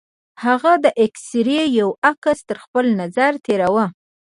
هغه د اکسرې يو عکس تر خپل نظره تېراوه.